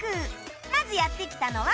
まずやって来たのは